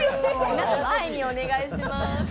皆さん、前にお願いします。